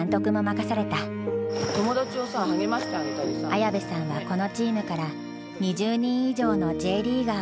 綾部さんはこのチームから２０人以上のＪリーガーを送り出した。